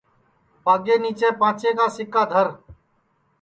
پاگے نیچے پانٚچے کا سِکا دھر